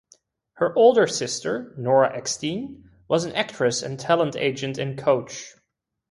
Her older sister, Nora Eckstein, was an actress and talent agent and coach.